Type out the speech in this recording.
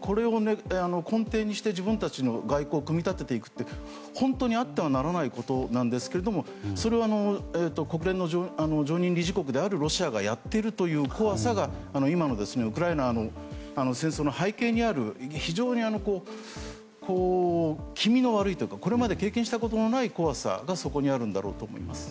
これを根底にして自分たちの外交を組み立てていくって本当にあってはならないことなんですけどもそれを国連の常任理事国であるロシアがやっているという怖さが今のウクライナの戦争の背景にある非常に気味の悪いというかこれまで経験したことのない怖さがそこにあるんだろうと思います。